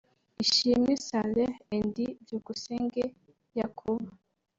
Ishimwe Sareh and Byukusenge Yakuba